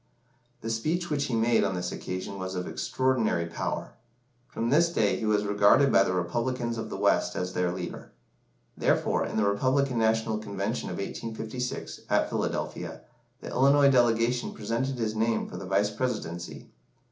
The speech which he made on this occasion was of extraordinary power. From this day he was regarded by the Republicans of the West as their leader. Therefore, in the Republican National Convention of 1856, at Philadelphia, the Illinois delegation presented his name for the Vice Presidency.